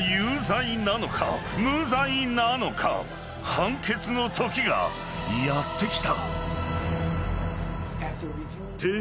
［判決のときがやってきた］